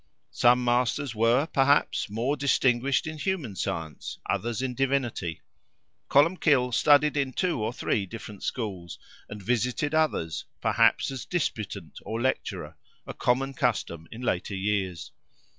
Some masters were, perhaps, more distinguished in human Science; others in Divinity. Columbkill studied in two or three different schools, and visited others, perhaps as disputant or lecturer—a common custom in later years.